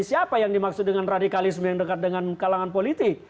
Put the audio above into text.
siapa yang dimaksud dengan radikalisme yang dekat dengan kalangan politik